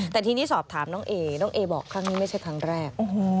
แต่ทีนี้สอบถามน้องเอน้องเอบอกครั้งนี้ไม่ใช่ครั้งแรก